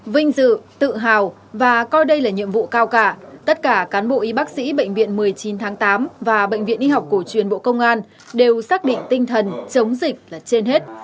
vinh dự tự hào và coi đây là nhiệm vụ cao cả tất cả cán bộ y bác sĩ bệnh viện một mươi chín tháng tám và bệnh viện y học cổ truyền bộ công an đều xác định tinh thần chống dịch là trên hết